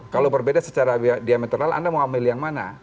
kalau berbeda secara diametral anda mau ambil yang mana